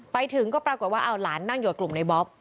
ไปถึงก็ปรากฏว่าเอาหลานนั่งอยู่กับกลุ่มในบ๊อบ